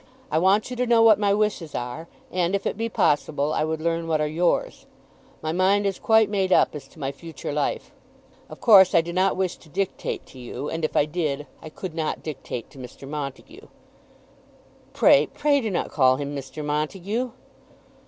I want you to know what my wishes are, and, if it be possible, I would learn what are yours. My mind is quite made up as to my future life. Of course, I do not wish to dictate to you, and if I did, I could not dictate to Mr. Montague." "Pray, pray do not call him Mr. Montague."